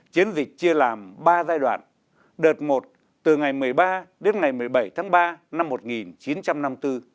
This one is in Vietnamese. chiến dịch chia làm ba giai đoạn đợt một từ ngày một mươi ba đến ngày một mươi bảy tháng ba năm một nghìn chín trăm năm mươi bốn